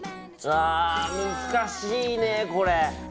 あ難しいねこれ。